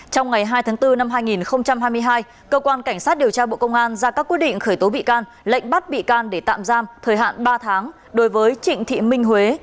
trong ngày hai tháng bốn năm hai nghìn hai mươi hai cơ quan cảnh sát điều tra bộ công an ra các quyết định khởi tố bị can lệnh bắt bị can để tạm giam thời hạn ba tháng đối với trịnh thị minh huế